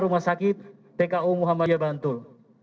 rumah sakit tku muhammadiyah bantul